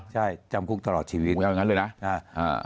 ใช่จำคุกตลอดชีวิตคุยกับอย่างงั้นด้วยนะอ่า